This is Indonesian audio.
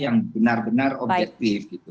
yang benar benar objektif gitu